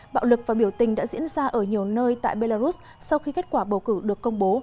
bạo lực và biểu tình đã diễn ra ở nhiều nơi tại belarus sau khi kết quả bầu cử được công bố